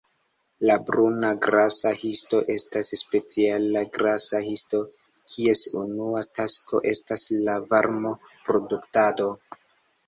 La bruna grasa histo estas speciala grasa histo, kies unua tasko estas la varmo-produktado.